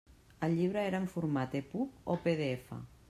El llibre era en format EPUB o PDF?